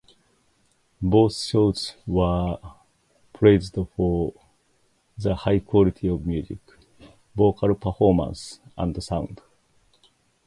Both shows were praised for the high quality of music, vocal performances, and sound.